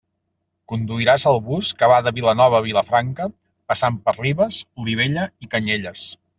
Conduiràs el bus que va de Vilanova a Vilafranca passant per Ribes, Olivella i Canyelles.